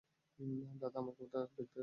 দাদা, আমাকে দেখতে দাও।